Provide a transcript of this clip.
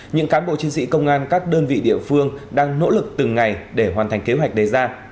những cán bộ chiến sĩ công an các đơn vị địa phương đang nỗ lực từng ngày để hoàn thành kế hoạch đề ra